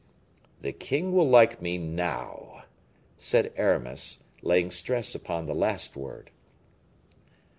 "The king will like me now," said Aramis, laying stress upon the last word.